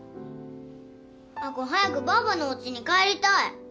亜子早くばあばのおうちに帰りたい。